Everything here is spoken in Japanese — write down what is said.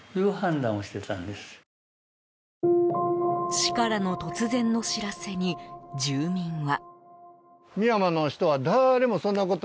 市からの突然の知らせに住民は。